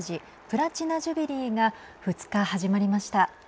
プラチナ・ジュビリーが２日、始まりました。